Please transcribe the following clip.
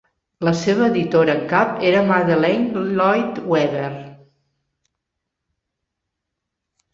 La seva editora en cap era Madeleine Lloyd-Webber.